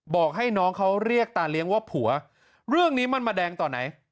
บอกให้น้องเขาเรียกตาเลี้ยงว่าผัวเรื่องนี้มันมาแดงต่อไหน